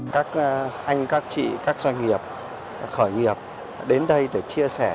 các anh các chị các doanh nghiệp khởi nghiệp đến đây để chia sẻ